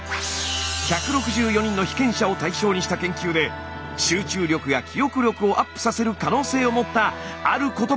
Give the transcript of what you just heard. １６４人の被験者を対象にした研究で集中力や記憶力をアップさせる可能性を持ったあることばが見つかりました。